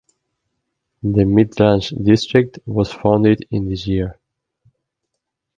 The Midlands District was founded in this year.